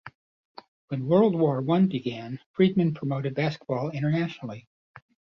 When World War One began, Friedman promoted basketball internationally.